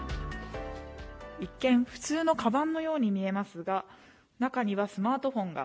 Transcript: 一見普通のかばんのように見えますが、中にはスマートフォンが。